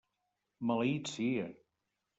Maleït sia!